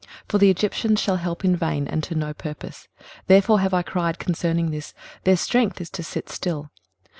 23:030:007 For the Egyptians shall help in vain, and to no purpose: therefore have I cried concerning this, Their strength is to sit still.